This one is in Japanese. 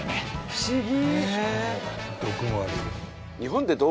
「不思議」